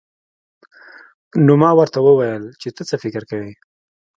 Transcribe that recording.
نو ما ورته وويل چې ته څه فکر کوې.